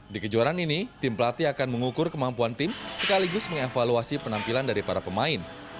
di kejuaraan ini tim pelatih akan mengukur kemampuan tim sekaligus mengevaluasi penampilan dari para pemain